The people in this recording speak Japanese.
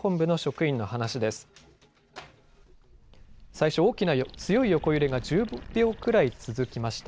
最初、大きな強い横揺れが１０秒くらい続きました。